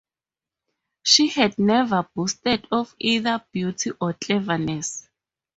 She had never boasted of either beauty or cleverness.